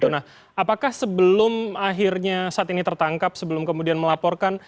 nah apakah sebelum akhirnya saat ini tertangkap sebelum kemudian melaporkan